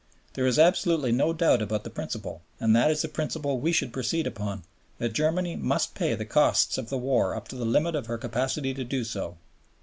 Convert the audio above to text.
There is absolutely no doubt about the principle, and that is the principle we should proceed upon that Germany must pay the costs of the war up to the limit of her capacity to do so."